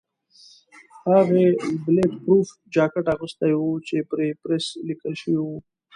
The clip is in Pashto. هغې بلېټ پروف جاکټ اغوستی و چې پرې پریس لیکل شوي وو.